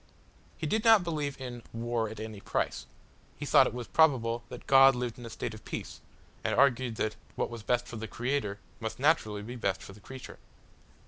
He did not believe in "war at any price." He thought it probable that God lived in a state of peace, and argued that what was best for the Creator must naturally be best for the creature.